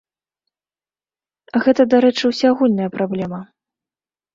Гэта, дарэчы, усеагульная праблема.